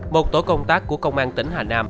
một tổ công tác của công an tỉnh hà nam